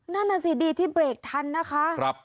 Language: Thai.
นั่นน่ะสิดีที่เบรกทันนะคะ